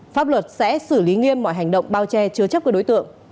pháp luật sẽ xử lý nghiêm mọi hành động bao che chứa chấp của đối tượng